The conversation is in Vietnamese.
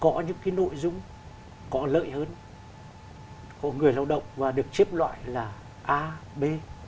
có những cái nội dung có lợi hơn của người lao động và được xếp loại là a b